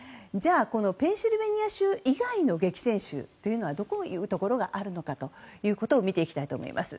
このペンシルベニア州以外の激戦州というのはどこがあるのかということを見ていきたいと思います。